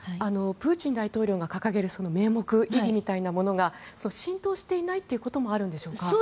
プーチン大統領が掲げる名目意義みたいなものが浸透していないということもあるんでしょうか。